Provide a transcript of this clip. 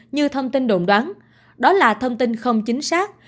như thông tin đồn đoán đó là thông tin không chính xác